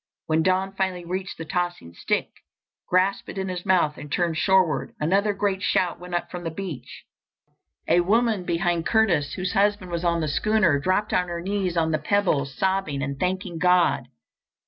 When Don finally reached the tossing stick, grasped it in his mouth and turned shoreward, another great shout went up from the beach. A woman behind Curtis, whose husband was on the schooner, dropped on her knees on the pebbles, sobbing and thanking God.